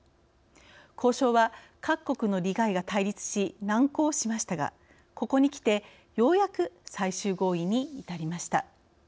交渉は、各国の利害が対立し難航しましたがここにきて、ようやく最終合意に至りました。